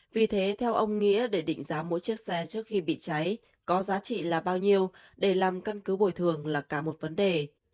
vì thế theo ông nghĩa để định giá mỗi chiếc xe trước khi bị cháy có giá trị là bao nhiêu để làm căn cứ bồi thường là cả một vấn đề